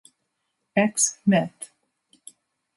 Ex Met.